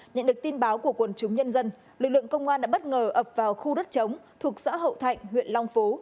nhận được tin báo của quần chúng nhân dân lực lượng công an đã bất ngờ ập vào khu đất chống thuộc xã hậu thạnh huyện long phú